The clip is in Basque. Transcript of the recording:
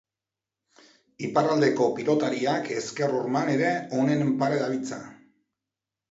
Iparraldeko pilotariak ezker horman ere onenen pare dabiltza.